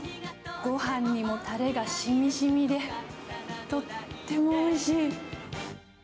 ごはんにもたれがしみしみで、とってもおいしい。